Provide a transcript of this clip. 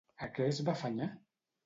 A què es va afanyar?